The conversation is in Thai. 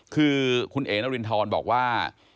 คือคุณเอ๋นารินทรบอกว่า